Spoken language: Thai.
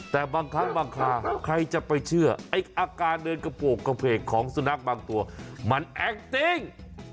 แต่บางครั้งบางคราใครจะไปเชื่อไอ้อาการเดินกระโปรกกระเพกของสุนัขบางตัวมันแอคติ้ง